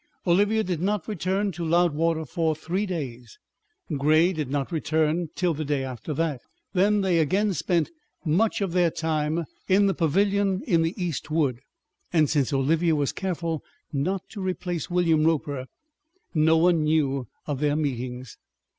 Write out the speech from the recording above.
Olivia did not return to Loudwater for three days. Grey did not return till the day after that. Then they again spent much of their time in the pavilion in the East wood, and since Olivia was careful not to replace William Roper, no one knew of their meetings.